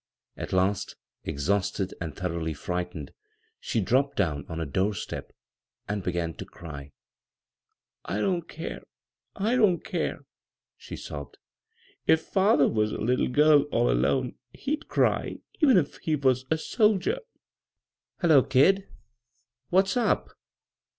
At last, exhausted and thoroughly frightened, she dropped down on a door step and began to cry. " I don't care, I don't care," she sobbed. " If father was a little girl all alcme he'd cry even if he was a soldier I "" Hullo, kid I What's up